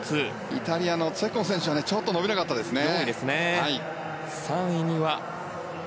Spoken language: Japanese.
イタリアのチェッコン選手はちょっと伸びなかったですね。